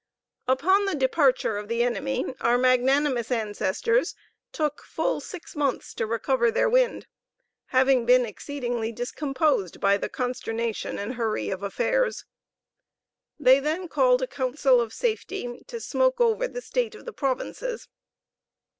Upon the departure of the enemy our magnanimous ancestors took full six months to recover their wind, having been exceedingly discomposed by the consternation and hurry of affairs. They then called a council of safety to smoke over the state of the provinces.